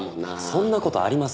そんな事ありません。